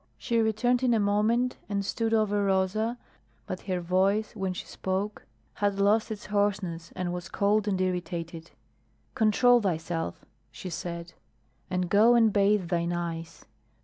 She returned in a moment and stood over Rosa, but her voice when she spoke had lost its hoarseness and was cold and irritated. "Control thyself," she said. "And go and bathe thine eyes.